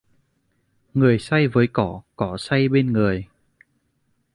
Người say với cỏ, cỏ say bên người!